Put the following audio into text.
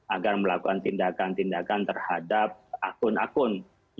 agar melakukan tindakan tindakan terhadap akun akun